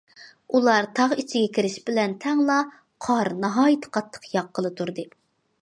ئۇلار تاغ ئىچىگە كىرىش بىلەن تەڭلا قار ناھايىتى قاتتىق ياغقىلى تۇردى.